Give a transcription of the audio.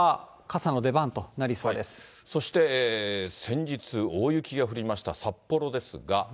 そうですね、そして先日、大雪が降りました札幌ですが。